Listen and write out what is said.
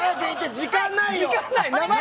時間ないよ！